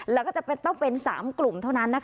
แล้วก็จะต้องเป็น๓กลุ่มเท่านั้น